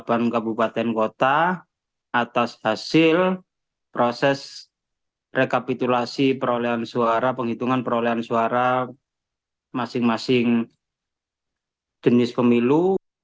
kepada tiga puluh delapan kabupaten kota atas hasil proses rekapitulasi penghitungan perolehan suara masing masing jenis pemilu